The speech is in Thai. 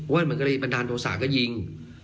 อ้วนมันก็เลยบันดาลโทษะก็ยิง